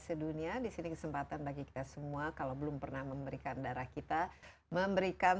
sedunia disini kesempatan bagi kita semua kalau belum pernah memberikan darah kita memberikan